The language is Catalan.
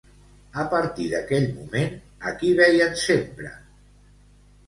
A partir d'aquell moment, a qui veien sempre?